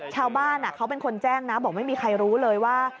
ชาวบ้านเขาเป็นคนแจ้งนะบอกไม่มีใครรู้เลยว่า